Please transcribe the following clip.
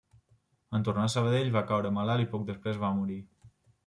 En tornar a Sabadell va caure malalt i poc després va morir.